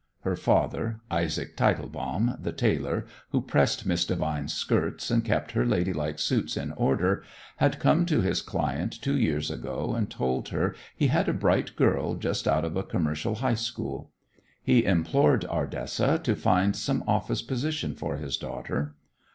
Her father, Isaac Tietelbaum, the tailor, who pressed Miss Devine's skirts and kept her ladylike suits in order, had come to his client two years ago and told her he had a bright girl just out of a commercial high school. He implored Ardessa to find some office position for his daughter.